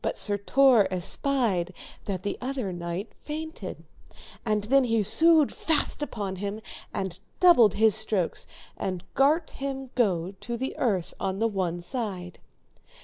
But Sir Tor espied that the other knight fainted, and then he sued fast upon him, and doubled his strokes, and gart him go to the earth on the one side.